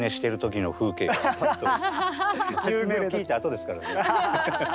説明を聞いたあとですからね。